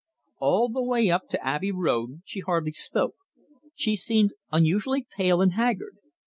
All the way up to Abbey Road she hardly spoke. She seemed unusually pale and haggard.